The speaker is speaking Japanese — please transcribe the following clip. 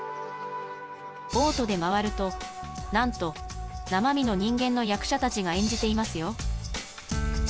ボートで回るとなんと生身の人間の役者たちが演じていますよ